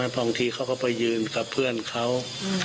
เพราะบางทีเขาก็ไปยืนกับเพื่อนเขาอืม